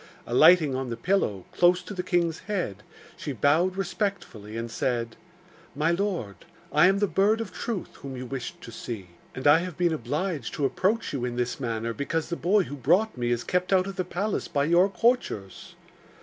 Alighting on the pillow, close to the king's head, she bowed respectfully, and said: 'My lord, I am the Bird of Truth whom you wished to see, and I have been obliged to approach you in the manner because the boy who brought me is kept out of the palace by your courtiers.